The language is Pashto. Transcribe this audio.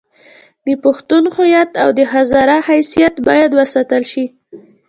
د پښتون هویت او د هزاره حیثیت باید وساتل شي.